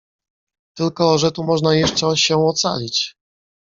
"Tylko że tu można jeszcze się ocalić."